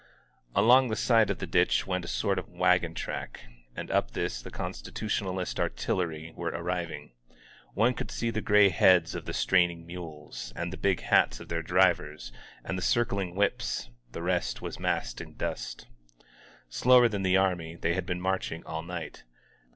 Along the side of the ditch went a sort of wagon track, and up this the Constitutionalist artillery were arriving. One could see the gray heads of the strain ing mules, and the big hats of their drivers, and the circling whips — the rest was masked in dust. Slower than the army, they had been marching all night.